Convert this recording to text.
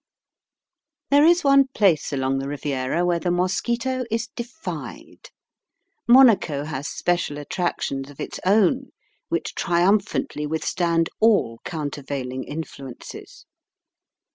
There is one place along the Riviera where the mosquito is defied. Monaco has special attractions of its own which triumphantly withstand all countervailing influences.